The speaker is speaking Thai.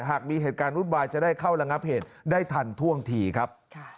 หากมีเหตุการณ์วุ่นวายจะได้เข้าระงับเหตุได้ทันท่วงทีครับ